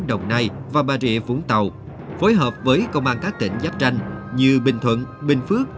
đồng nai và bà rịa vũng tàu phối hợp với công an các tỉnh giáp tranh như bình thuận bình phước